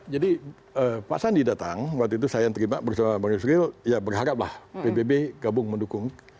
jadi pak sandi datang waktu itu saya yang terima bersama bang yusril ya berharap lah pbb gabung mendukung